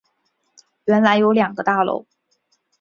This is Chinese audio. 原来有两个大楼